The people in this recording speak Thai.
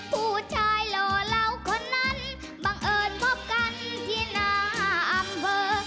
ผู้ชายหล่อเหล่าคนนั้นบังเอิญพบกันที่หน้าอำเภอ